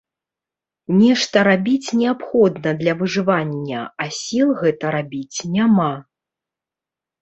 Нешта рабіць неабходна для выжывання, а сіл гэта рабіць няма.